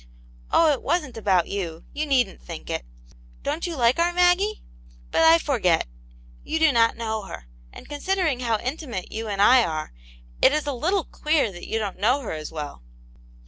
Oh, it wasn't about you ; you needn't think it ! Don't you like our Maggie ? But I forget ; you do not know her ; and considering how intimate you and I are, it is a little queer that you don't know her as well."